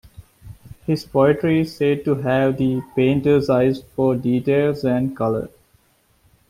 His poetry is said to have the painter's eye for detail and colour.